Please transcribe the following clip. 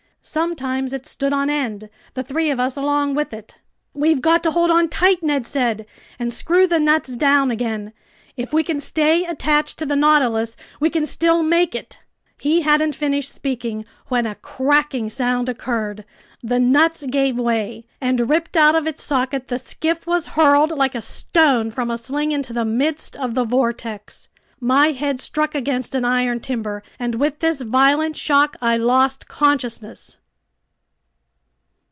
Sometimes it stood on end, the three of us along with it! "We've got to hold on tight," Ned said, "and screw the nuts down again! If we can stay attached to the Nautilus, we can still make it ...!" He hadn't finished speaking when a cracking sound occurred. The nuts gave way, and ripped out of its socket, the skiff was hurled like a stone from a sling into the midst of the vortex. My head struck against an iron timber, and with this violent shock I lost consciousness.